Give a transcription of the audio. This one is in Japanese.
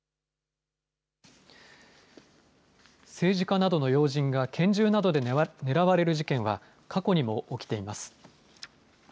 政治家などの要人が拳銃などで狙われる事件は、過去にも起きています。